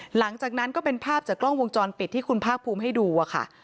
หลังจากนั้นก็เป็นภาพจากกล้องวงจรปิดที่คุณภาคภูมิให้ดูค่ะ